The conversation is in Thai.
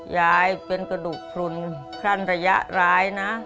ยายเป็นกระดูกพลุนครั่นระยะร้ายนะ